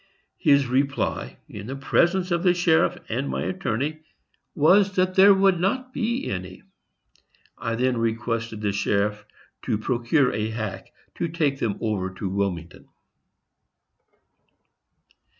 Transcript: His reply, in the presence of the sheriff and my attorney, was there would not be any. I then requested the sheriff to procure a hack to take them over to Wilmington."